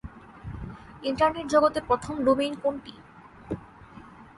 Internet জগতের প্রথম domain কোনটি?